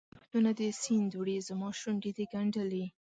زما لفظونه دي سیند وړي، زماشونډې دي ګنډلي